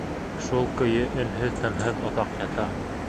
Шул көйө өнһөҙ-тынһыҙ оҙаҡ ята.